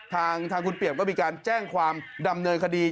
ทางคุณเปรียบก็มีการแจ้งความดำเนินคดี